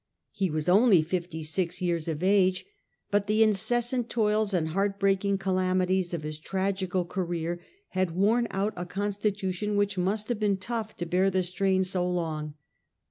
He was only fifty six years of 1 Im' *' age, but the incessant toils and heart breaking calamities of his tragical career had worn out a consti tution which must have been tough to bear the strain so long.